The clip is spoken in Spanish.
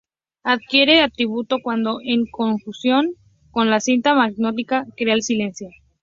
adquiere atributo cuando en conjunción con la cinta magnetofónica crea el silencio